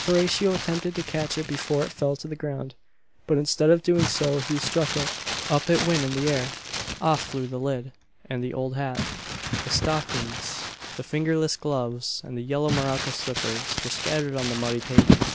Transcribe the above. Horatio attempted to catch it before it fell to the ground; but, instead of doing so he struck it up it went in the air, off flew the lid, and the old hat, the stockings, the fingerless gloves, and the yellow morocco slippers, were scattered on the muddy pavement.